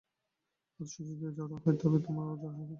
আদর্শ যদি জড় হয়, তবে তোমরাও জড় হইবে।